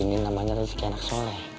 ini namanya rezeki anak soleh